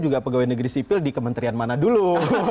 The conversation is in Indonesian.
juga pegawai negeri sipil di kementerian mana dulu